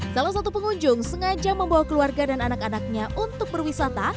salah satu pengunjung sengaja membawa keluarga dan anak anaknya untuk berwisata